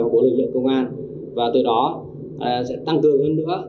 của lực lượng công an và từ đó sẽ tăng cường hơn nữa